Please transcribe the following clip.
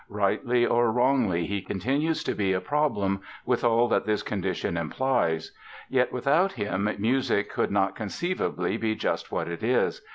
Rightly or wrongly he continues to be a problem, with all that this condition implies. Yet without him music could not conceivably be just what it is.